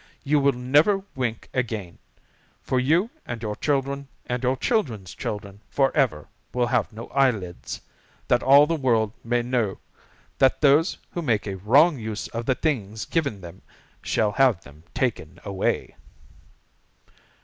You will never wink again, for you and your children and your children's children forever will have no eyelids, that all the world may know that those who make a wrong use of the things given them shall have them taken away.'